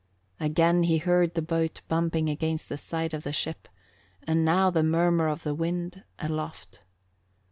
Again he heard the boat bumping against the side of the ship and now the murmur of the wind aloft.